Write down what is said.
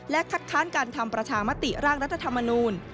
คัดค้านการทำประชามติร่างรัฐธรรมนูล